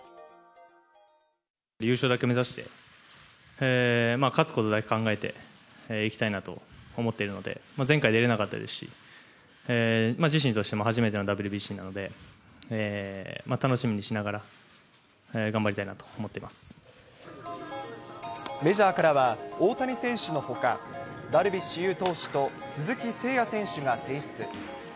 優勝だけ目指して、勝つことだけ考えていきたいなと思っているので、前回出れなかったですし、自身としても初めてのＷＢＣなので、楽しみにしながら、頑張りたメジャーからは、大谷選手のほか、ダルビッシュ有投手と鈴木誠也選手が選出。